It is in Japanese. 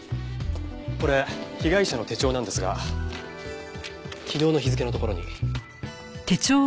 これ被害者の手帳なんですが昨日の日付のところに。